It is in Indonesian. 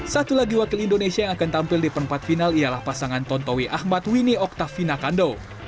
satu lagi wakil indonesia yang akan tampil di perempat final ialah pasangan tontowi ahmad winnie octavina kando